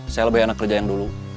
saya lebih enak kerja yang dulu